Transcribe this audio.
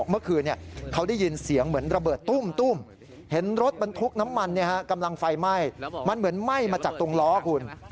มันเหมือนไหม้มาจากตรงล้อคุณ